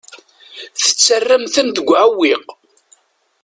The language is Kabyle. Tettarram-ten deg uɛewwiq.